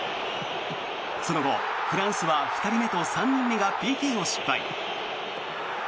その後、フランスは２人目と３人目がＰＫを失敗。